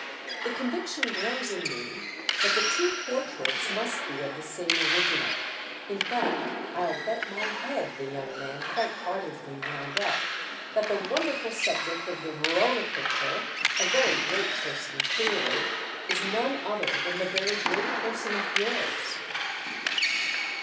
The conviction grows in me that the two portraits must be of the same original. In fact I'll bet my head," the young man quite ardently wound up, "that the wonderful subject of the Verona picture, a very great person clearly, is none other than the very great person of yours."